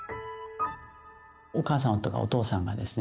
お母さんとかお父さんがですね